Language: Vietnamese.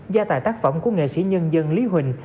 gia tài tác phẩm của nghệ sĩ nhân dân lý huỳnh